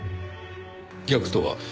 逆とは？